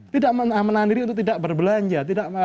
tidak menahan diri untuk tidak berbelanja